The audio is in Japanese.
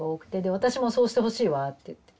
「私もそうしてほしいわ」って言ってて。